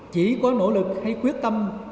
chỉ có nỗ lực hay quyết tâm